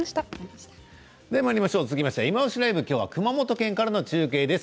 続きまして「いまオシ！ＬＩＶＥ」。今日は熊本県からの中継です。